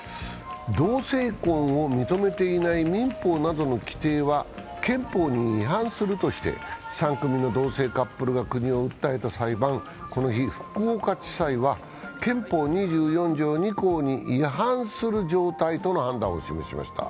同性婚を認めていない民法などの規定は憲法に違反するとして、３組の同性カップルが国を訴えた裁判この日、福岡地裁は憲法２４条２項に違反する状態との判断を示しました。